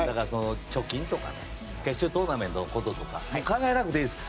貯金とか決勝トーナメントのこととか考えなくていいです。